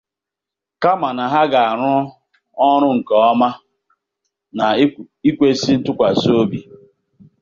kama na ha ga-arụ ọrụ nke ọma na n'ikwesi ntụkwàsị obi.